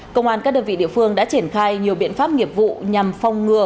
công an các đơn vị địa phương đã triển khai nhiều biện pháp nghiệp vụ nhằm phong ngừa